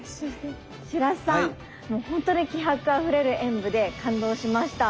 白洲さん本当に気迫あふれる演武で感動しました。